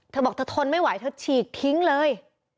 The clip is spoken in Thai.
เธอบอกเธอทนไม่ไหวเธอฉีกทิ้งเลย